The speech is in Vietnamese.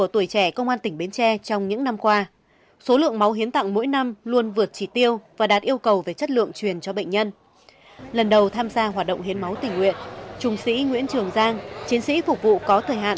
tích cực tham gia hiến máu tỉnh nguyện phục vụ điều trị cứu người